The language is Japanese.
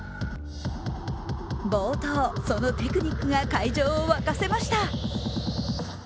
冒頭、そのテクニックが会場を沸かせました。